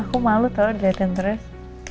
aku malu tau lo liatin terus